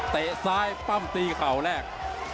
ซ้ายปั้มตีเข่าแรก